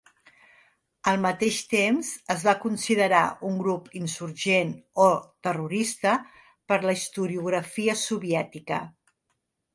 Al mateix temps es va considerar un grup insurgent o terrorista per la historiografia soviètica.